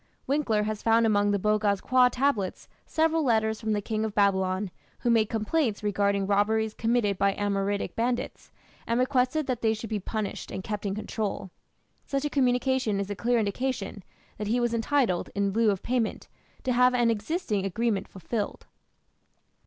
Winckler has found among the Boghaz Köi tablets several letters from the king of Babylon, who made complaints regarding robberies committed by Amoritic bandits, and requested that they should be punished and kept in control. Such a communication is a clear indication that he was entitled, in lieu of payment, to have an existing agreement fulfilled.